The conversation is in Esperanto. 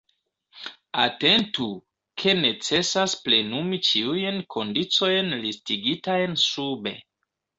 Atentu, ke necesas plenumi ĉiujn kondiĉojn listigitajn sube.